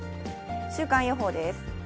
週間予報です。